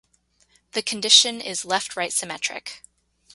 The condition is left-right symmetric.